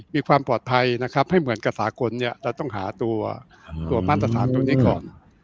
มีความปลอดภัยนะครับให้เหมือนกับสากลเนี่ยเราต้องหาตัวมาตรฐานตัวนี้ก่อน